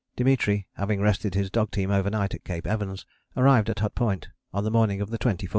Dimitri having rested his dog team overnight at Cape Evans arrived at Hut Point on the morning of the 24th.